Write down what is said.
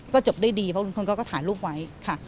ก็จบได้ดีเพราะลุงคนนั้นก็ถ่ายรูปไว้